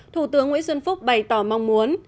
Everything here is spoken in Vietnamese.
thủ tướng nguyễn xuân phúc bày tỏ mong muốn